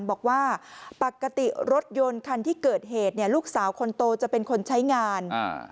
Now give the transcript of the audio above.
บอกว่าปกติรถยนต์คันที่เกิดเหตุเนี่ยลูกสาวคนโตจะเป็นคนใช้งานอ่า